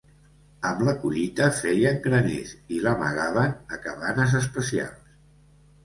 Amb la collita feien graners i l'amagaven a cabanes especials.